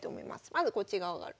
まずこっち側上がる。